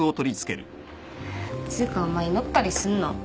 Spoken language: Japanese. つうかお前祈ったりすんの？